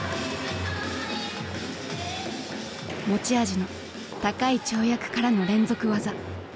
持ち味の高い跳躍からの連続技。